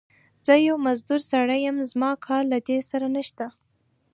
زه يو مزدور سړی يم، زما کار له دې سره نشته.